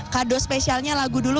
kado spesialnya lagu dulu